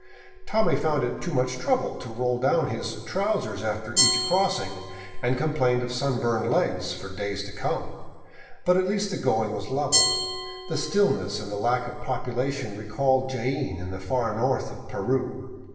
Tommy found it too much trouble to roll down his trousers after each cross ing, and complained of sunburned legs for days to come. But at least the going was level. The stillness and lack of population recalled Jaen in the far north of Peru.